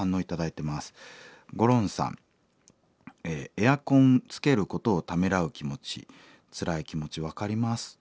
「エアコンつけることをためらう気持ちつらい気持ち分かります」。